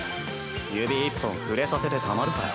指一本触れさせてたまるかよ。